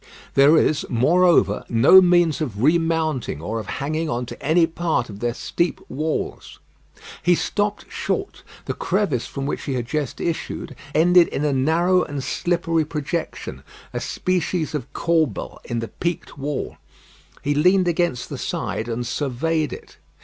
There is, moreover, no means of remounting or of hanging on to any part of their steep walls. He stopped short. The crevice from which he had just issued ended in a narrow and slippery projection, a species of corbel in the peaked wall. He leaned against the side and surveyed it.